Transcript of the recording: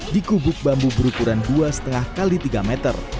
di kubuk bambu berukuran dua lima x tiga meter